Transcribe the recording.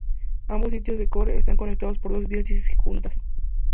Ambos sitios de Core están conectados por dos vías disjuntas.